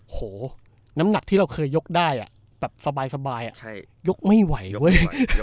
โหน้ำหนักที่เราเคยยกได้แบบสบายยกไม่ไหวอ่ะเว้ย